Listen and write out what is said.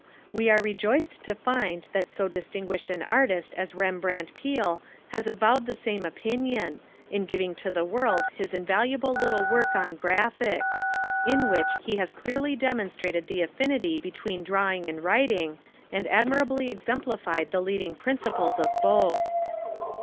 We are rejoiced to find that so distinguished an artist as Rembrandt Peale has avowed the same opinion, in giving to the world his invaluable little work on Graphics: in which he has clearly demonstrated the affinity between drawing and writing, and admirably exemplified the leading principles of both.